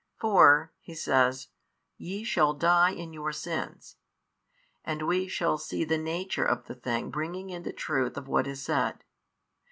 For (He says) Ye shall die in your sins; and we shall see the nature of the thing bringing in the truth of what is said.